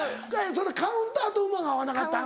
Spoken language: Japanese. それカウンターと馬が合わなかったん？